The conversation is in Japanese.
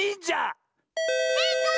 せいかい！